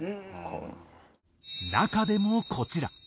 中でもこちら。